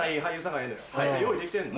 用意できてんの？